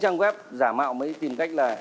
trang web giả mạo mới tìm cách là